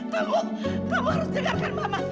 kamu kamu harus dengarkan mama